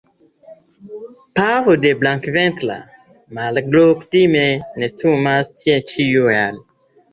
Paro de Blankventra maraglo kutime nestumas tie ĉiujare.